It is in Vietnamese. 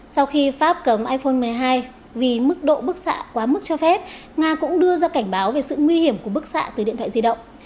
sau khi pháp cấm iphone một mươi hai vì mức độ bức xạ quá mức cho phép nga cũng đưa ra cảnh báo về sự nguy hiểm của bức xạ từ điện thoại di động